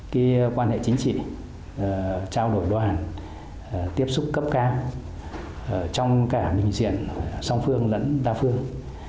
cái quan hệ chính trị trao đổi đoàn tiếp xúc cấp cao trong cả bình diện song phương lẫn đa phương